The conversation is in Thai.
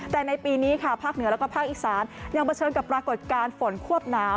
แต่ในปีนี้ภาคเหนือและภาคอีสานยังประเทิงกับปรากฏการณ์ฝนควบหนาว